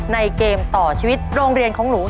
เกมต่อชีวิตโรงเรียนของหนู